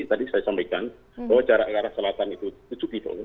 tadi saya sampaikan bahwa jarak ke arah selatan itu tujuh kilo